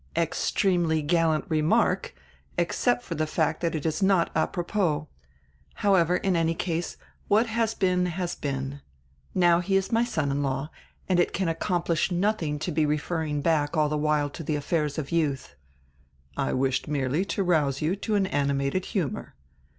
"Extremely gallant remark, except for die fact that it is not apropos. However, in any case, what has been has been. Now he is my son in law, and it can accomplish nothing to be referring back all die while to die affairs of youth." "I wished merely to rouse you to an animated humor."